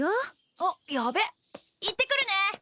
あっヤベッ行ってくるね